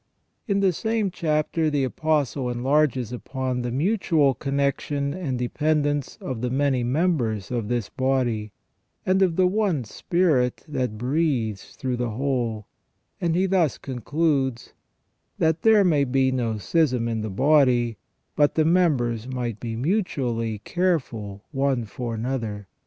In the same chapter the Apostle enlarges upon the mutual connection and dependence of the many members of this body, and of the one spirit that breathes through the whole ; and he thus concludes :" That there may be no schism in the body, but the members might be mutually careful one for another.